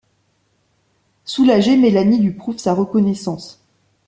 Soulagée, Mélanie lui prouve sa reconnaissance.